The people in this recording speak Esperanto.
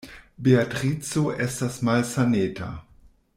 Beatrico estas malsaneta.